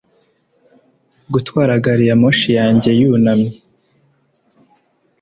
gutwara gari ya moshi yanjye yunamye